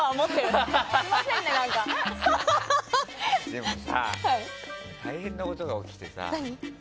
でもさ、大変なことが起きてさ。